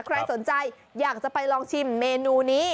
ใครสนใจอยากจะไปลองชิมเมนูนี้